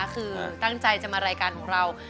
คือตั้งใจจะมารายการของเรา